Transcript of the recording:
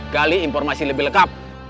gali informasi lebih lengkap